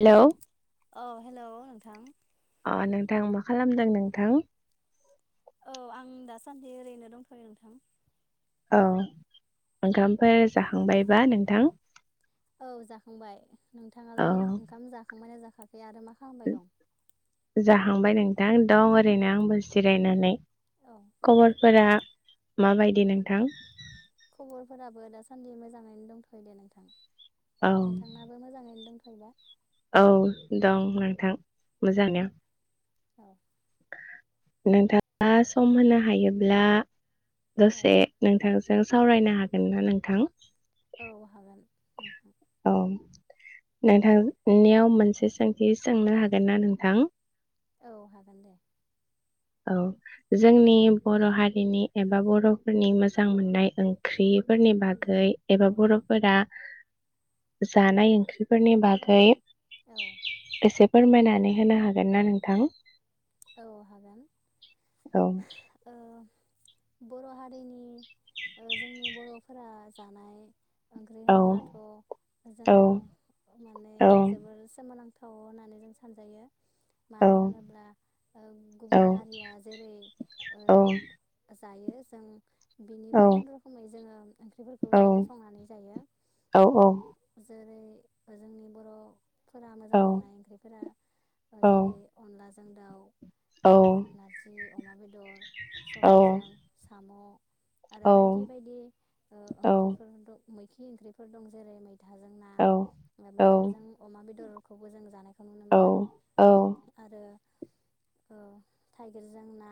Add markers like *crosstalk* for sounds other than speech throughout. Hello औ हेल' नोंथां अ नोंथां मा खालामदों नोंथां? औ आं दासान्दि ओरैनो दंथ'यो नोंथां। औ ओंखामफोर जाखांबायबा नोंथां? औ जाखांबाय नोंथाङालाय औ ओंखाम जाखांबाय ना जाखा ए आरो मा खालामबाय दं? खांबाय नोंथां दं ओरैनो आंबो जिरायनान औ खबरफोरा माबायदि नोंथां खबरफोराबो दासान्दि मोजाङैनो दंथयो दे नोंथां औ नोंथांनाबो मोजाङैनो दंथ फैबा औ दं नोंथां औ मोजांनो औ नोंथांङा सम होनो हायोब्ला औ दसे नोंथांजो जों सावरायनो हागोन ना नोंथां औ हागोन नोंथां औ नोंथांनियाव मोनसे सोंथि सोंनो हागोन ना नोंथां औ हागोन दे औ जोंनि बर हारिनि एबा बरफोरनि मोजां मोननाय ओंख्रिफोरनि बाग गै औ। एबा बरफोरा जानाय ओंख्रिफोरनि बागै औ एसे फोरमायनानै होनो हागोन ना नोंथां औ हागोन औ ओ बर हारिनि जोंनि बरफोरा जानाय ओंख्रि औ होनब्लाथ औ जोंङो माने औ जोबोर सोमोनां थ होननानै जों सानजायो औ मानो होनोब्ला ओ औ गुबुन हारिया जेरै ओ जायो जों बिनि औ गुबुन रोखोमै जोंङो ओंख्रिफोरखौ औ जों संनानै जायो। औ जेरै जोंनि बर‌ फोरा औ मोजां मोननाय ओंख्रिफोरा जेरै अनला जा औ ओ नारजि अमा बेदर औ सबायजों साम आरो औ बायदि बायदि ओ ओंख्रिफोर दं। मैखि ओंख्रिफोर दं जेरै मै मैथाजों ना औ मैथाजों अमा बेदर खौबो जों जानाय औ औ ओ थाइगिरजों ना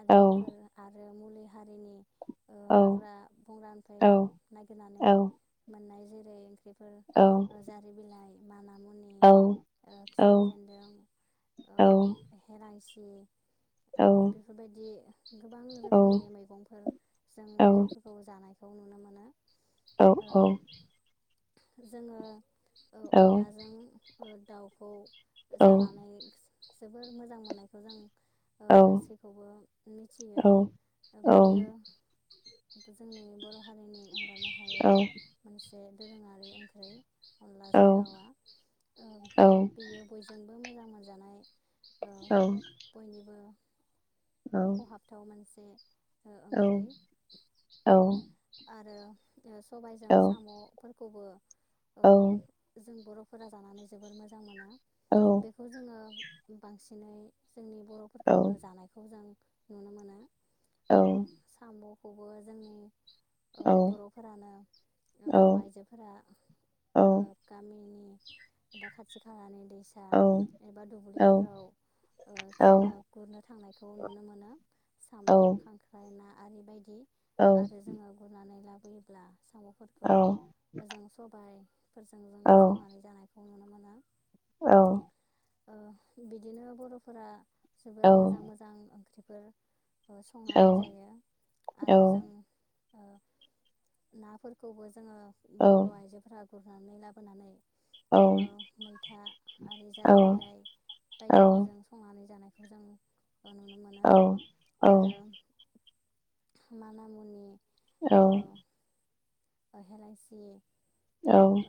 आरिफोर आरो आरो मुलि हारिनि ओ औ हाग्रा बंग्रानिफ्राय नागिरनानै मोननाय जेरै ओंख्रि फोर जारि बिलाइ माना मुनि ओ औ खिफि बेन्दों औ लाइसि ओ औ बेफोरबायदि गोबां रोखोमनि मैगंफोर जों बर'फोरखौ जानाय खौ नुनो मोनो। ओ जोङो ओ अनलाजों दाउखौ जानानै जोबोर मोजां मोननायखौ जों ओ गासैखौबो मिथियो। बियो जोंनि बर' हा दोरोङारि ओंख्रै अनलाजों दाउआ ओ बेयो बयजोंबो जानाय ओं‌ बयनिबो द खहाबथाव मोनसे ओम औ औ आरो सबायजों साम'फोरखौबो ओ जों बर' फोरा जानानै जोबोर मोजां मोनो। बेखौ जोङो बांसिनै जोंनि बर'फोरखौनो जानायखौ जों नुनो मोनो। ओ साम' खौबो जोंनि ओ बर'फोरानो बर' आइजोफोरा ओ गामिनि एबा खाथि खालानि दैसा एबा दुब्लिफोराव ओ जोङो गुरनो थांनायखौ नुनो मोनो साम' खांख्राइ ना आरो बायदि औ बायना लाबोयोब्ला साम'फोरखौ मोजां सबाय फोरजों जों संनानै जानाय *unintelligible* नुनो मोना औ ओ बिदिनो बर'फोरा जोबोर मोजां मोजां ओंख्रि फोर ओ संनानै जायो आरो जों ओ नाफोरखौबोज औ गुरनानै लाबोनानै ओ मैथा आरो जारि बिलाइ बायदिफोरजों संनानै जानाय *unintelligible* औ औ मानामुनि औ। ओ हेलायसि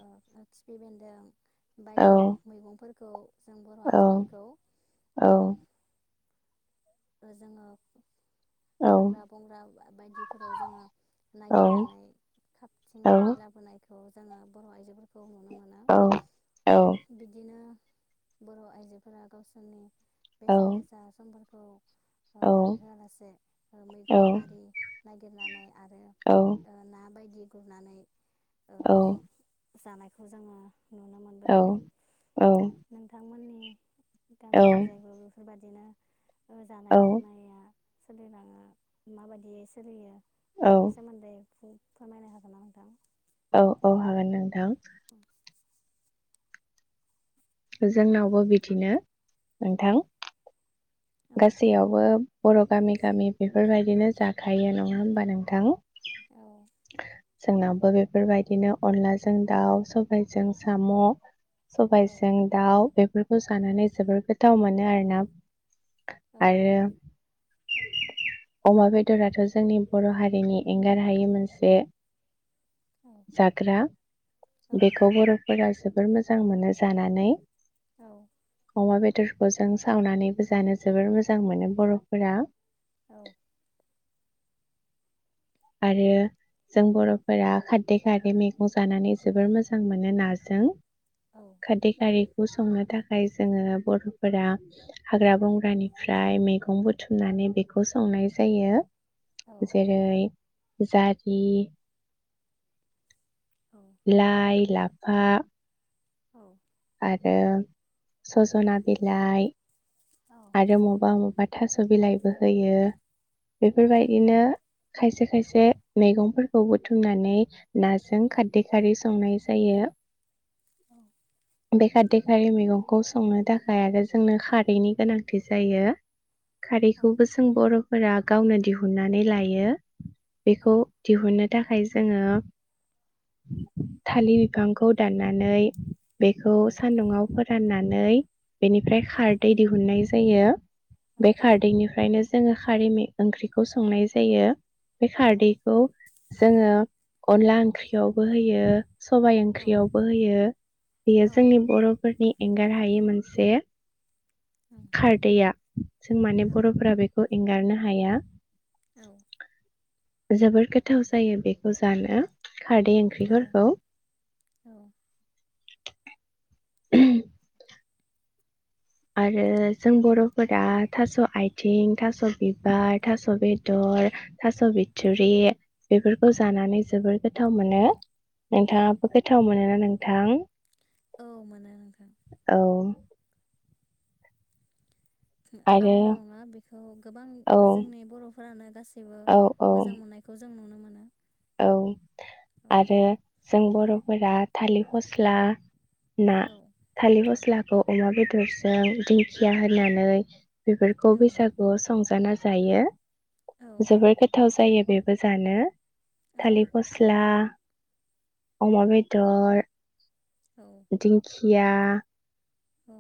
ओ *unintelligible* फि बेन्दों बायदि मैगंफोर खौ जों बर' आइजोफोरखौ ओ ओ जोङो हाग्रा बंग्रा बायदिफोराव जोङो नागिरनानै खाबथिंनानै लाबोनायखौ ओ जोङो बर' आइजोफोरखौ नुनो मोनो औ-औ बिदिनो बर' आइजोफोरा गावसोरनि बेसेन गोसा समफोर औ। ओ बारहोआलासे ओ मैगं आरि नागिरनानै आरो औ। ओ ना बायदि गुरनानै ओ जानायखौ जोङो नुनो मोनबोदों औ-औ। *inaudible* गामिथिंजायबो बेफोरबादि *inaudible* ओ जानाय लोंनाया सोलिलाङो माबायदियै सोलियो बेफोरनि सोमोन्दै फोरमायनो हागोन ना नोंथां? औ औ हागोन नोंथां *inaudible* जोंनावबो बिदिनो औ नोंथां औ गासैयावबो ओब बर' गामि गामि बेफोरबायदिनो जाखायो नङा होमबा नोंथां औ *inaudible* जोंनावबो बेफोरबायदिनो अनलाजों दाउ सबायाइजों साम'। औ सबायजों दाउ बेफोरखौ जानानै जोबोर गोथाव मोनो। आरो ना। औ आरो अमा बेदराथ' जोंनि बर' हारिनि एंगार हायि मोनसे, जाग्रा औ बेखौ बर', फोरा जोबोर मोजां मोनो जानानै। औ अमा बेदरखौ जों सावनानै जानो जोबोर मोजां मोनो बर'फोरा। औ आरो जों बर'फोरा खारदै खारै मैगं जानानै जोबोर मोजां मोनो नाजों। खारदै खारै बेखौ संनो थाखाय जोङो बर'फोरा हाग्रा बंग्रानिफ्राय मैगं बुथुमनानै बेखौ संनाय जायो। औ जेरै जारि लाय-लाफा बा औ आरो सजना बिलाइ। आरो मबा मबा थास' बिलाइबो होयो। औ बेफोरबायदिनो खायसे खायसे मैगंफोरखौ बुथुमनानै नाजों खारदै खारै संनाय जायो। औ बे खारदै खारै मेगंखौ संनो थाखाय आरो जोंनो खारैनि गोनांथि जायो। खारैखौबो जों बरफोरा गावनो दिहुननानै लायो। बेखौ दिहुननो थाखाय जोङो। थालिर बिफांखौ दाननानै। बेखौ औ सानदुंआव फोरानना नै बेनिफ्राय खारदै दिहुननाय जायो बे खारदैनिफ्रायनो जोङो। खारि मे ओंख्रिखौ संनाय जायो। बे खारदैखौ जोङो। अनला ओंख्रियावबो होयो। सबाइ ओंख्रियावबो होयो। जोंनि बरफोरनि एंगार हायै मोनसे खारदैया जों माने बर'फोरा बेखौ एंगारनो हा हाया। औ। जोबोर गोथाव जायो बेखौ जानो खारदै औ ओंख्रिफोरखौ औ उमह आरो जों बर'फोरा थास आइथ थिं थास' बिबार, थास' बेदर थास‌ बिथुरि बेफोर खौ जानानै जोबोर गोथाव मोनो। नोंथाङाबो गोथाव मोनोना नों नोंथां? औ मोनो नोंथां। औ आरो आंल' नङा बेखौ गोबां औ जोंनि बर'फोरानो गासैबो औ औ मोजां मोननायखौ जों जों नुनो मोनो। औ औ आरो जों बर' फोरा थालिर फस्ला ना औ थालिर फस्ला खौ अमा बेदरजों दिंखिया होनानै बेफोरखौ औ बैसागु स संजाना जायो। औ जोबोर गोथाव जा जायो बेबो जानो औ थालि फस्ला अमा बेदर औ दिंखिया औ।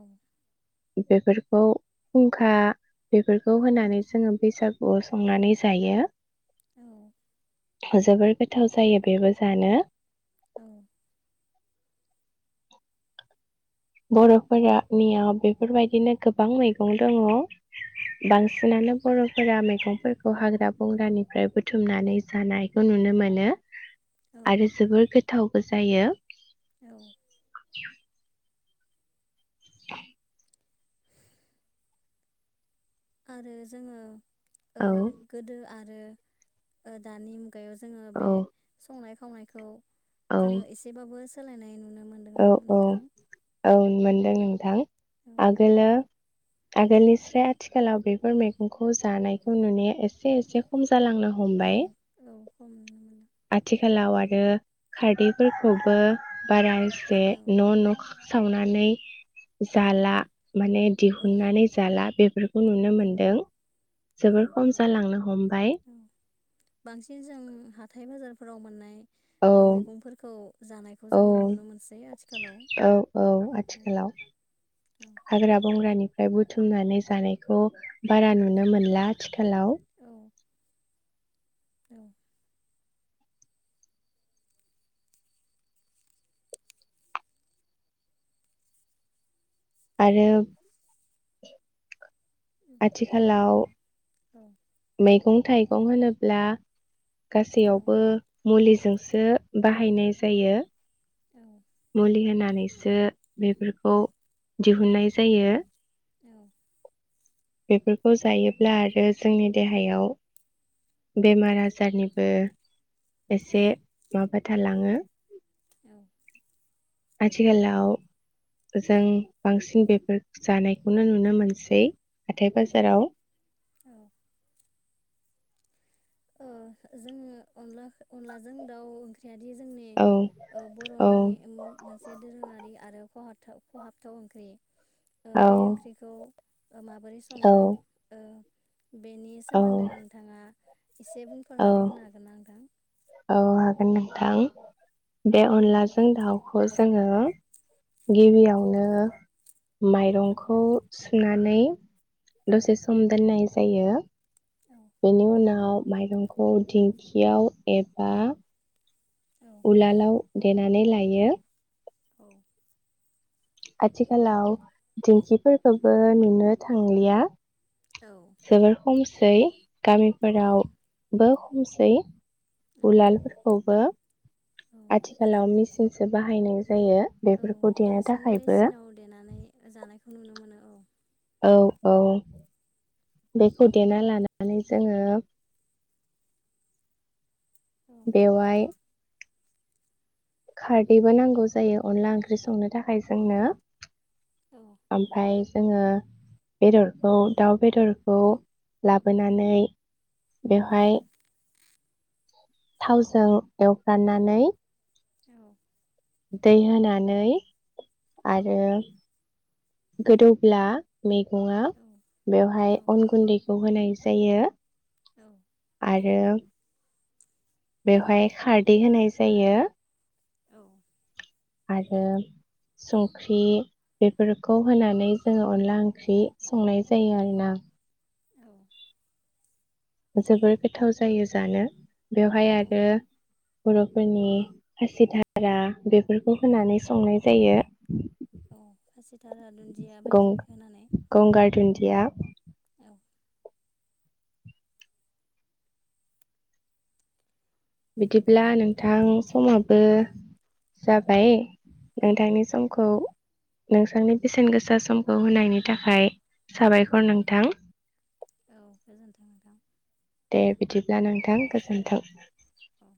बेफोरखौ फुंखा बेफोरखौ होनानै जोङो बैसाग गोआव संनानै जायो। औ। जोबोर गोथाव जायो बेबो जानो। औ। बर'फोरानियाव बेफोरबायदिनो गोबां मैगं दङ'। बांसिनानो बर' फोरा मैगंफोरखौ हाग्रा बंग्रानिफ्राय बुथुमनानै जानायखौ नुनो मोनो। औ आरो जोबोर गो थावबो जायो। औ। *inaudible* आरो जोङो ओ औ गोदो आरो ओ दानि मुगायाव जोङो औ बे संनाय खावनायखौ जोङो एसेबाबो सोलायनाय नुनो अ मोनदोंना अ। नोंथां औ मोनदों नोंथां। औ आगोलो औ आगोलनि स्राय आथि खालाव बेफोर मैगंखौ जानायखौ नुनाया एसे एसे खम जालांनो औ हमबाय औ खम नुनो आथिखालाव आरो खारदैफोरखौबो बारा जे मोनदों न' न'ख सावनानै औ जाला माने औ दिहुननानै जाला बे खौ नुनो मोनदों औ औ जोबोर खम जालांनो हमबाय। औ फोराव मोननाय औ ओ मैगंफोरखौ जानायखौ औ जोङो नुनो मोनसै आथिखालाव औ औ औ आथिखालाव औ हाग्रा बंग्रानि फ्राय बुथुमनानै जानायखौ बारा नुनो औ मोनला आथिखालाव। औ औ। आरो आथिखालाव औ। मैगं थाइगं होनोब्ला गासैयावबो मुलि जोंसो बाहायनाय जायो। औ। मुलि होनानैसो बेफोरखौ दिहुननाय जायो। औ बेफोरखौ जायोब्ला आरो जोंनि देहायाव बेमार आजारनिबो एसे माबा थालाङो औ आथिखालाव जों बांसिन बेफोर जानायखौनो नुनो मोनसै हाथाय औ बाजाराव औ ओ जोङो अनलाख अनलाजों दाउ ओंख्रि यादि जोंनि औ औ बरनि मोनसे दोरोङारि आरो खहाथाव खहाबथाव ओंख्रि ओ औ बे ओंख्रिखौ माबोरै औ सङो ओ? बेनि सोमोन्दै औ नोंथाङा एसे औ बुंफोरनानै होनो हागोन ना नोंथां? औ हागोन नोंथां बे अनलाजों दाउखौ जोंङो औ गिबियावनो माइरंखौ सुनानै दसे सम दोननाय जायो बेनि उनाव माइरंखौ दिंखियाव एबा उलालाव देनानै लायो औ आथिखालाव दिंखिफोरखोबो नुनो थांलिया जोबोर खमस सै गामिफोराव बो खमसै उलालफोरखौबो आथिखालाव मिस सो बाहायनो औ बांसिन मेचिनाव देनानै जानायखौ नुनो मोनो औ औ औ बेखौ देना लानानै जोङो औ बेवाय खारदैबो नांगौ जायो अनला ओंख्रि संनो थाखाय जोंनो औ ओमफाय जोङो बेदरखौ दाउ बेदरखौ लाबोनानै औ बेवहाय थावजों एवफ्राननानै औ। दै होनानै औ आरो गोदौब्ला मेगंया औ औ बेवहाय अन गुन्दै खौ होनाय जायो। औ। आरो बेवहाय खारदै होनाय जायो। औ आरो संख्रि बेफोरखौ होनानै जोङो अनला ओंख्रि संनाय जायो आरोना। जोबोर गोथाव जायो जानो। बेवहाय औ आरो बर'फोरनि खासिधारा बेफोरखौ होनानै संनाय जायो। औ खासिघारा दुन्दिया बायदि होनानै औ गंगार दुन्दिया औ। बिदिब्ला नोंथां समाबो जाबाय। औ नोंथांनि समखौ नोंथांनि बेसेन गोसा समखौ होनायनि थाखाय साबायखर नोंथां। औ गोजोन्थों नोंथां दे बिदिब्ला नोंथां गोजोन्थों। औ